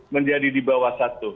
menjadi di bawah satu